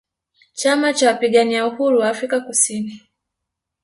Chama Cha Wapigania Uhuru Wa Afrika Kusini